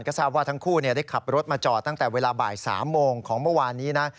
ก็ทราบว่าทั้งคู่ได้ขับรถมาจอดตั้งแต่เวลาบ่าย๓โมงของเมื่อวานนี้นะ